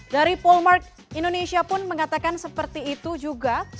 dari polmark indonesia pun mengatakan seperti itu juga